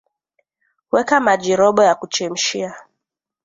weka maji robo ya kuchemshia